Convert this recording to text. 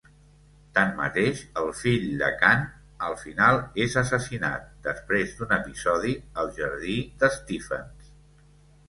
Tanmateix, el fill de Khan al final és assassinat, després d'un episodi al jardí d'Stephens.